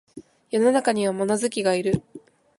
世の中には物好きがいる